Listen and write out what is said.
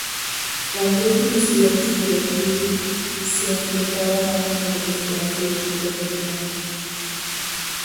Las dos divisiones iraquíes se enfrentaban a un número desconocido de tropas iraníes.